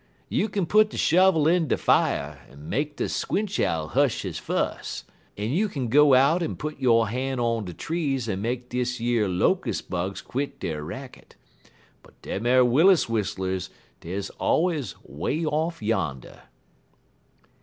You kin put de shovel in de fier en make de squinch owl hush he fuss, en you kin go out en put yo' han' on de trees en make deze yere locus' bugs quit der racket, but dem ar Willis whistlers deyer allers 'way off yander."